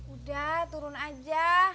udah turun aja